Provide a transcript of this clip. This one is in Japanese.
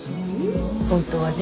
本当はね。